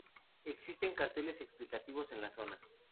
Existen carteles explicativos en la zona.